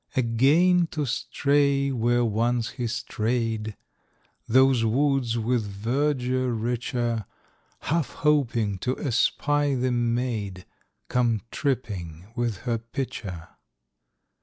Again to stray where once he stray'd, Those woods with verdure richer; Half hoping to espy the maid Come tripping with her pitcher.